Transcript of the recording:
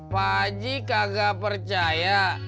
pak haji kagak percaya